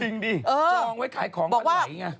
จริงดิจองไว้ขายของวันไหนไง